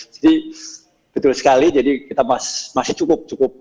jadi betul sekali jadi kita masih cukup